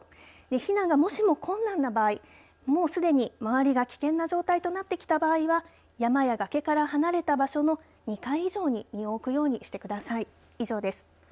避難が、もしも困難な場合もうすでに周りが危険な状態となってきた場合は山や崖から離れた場所の２階以上に身を置くようにしてください。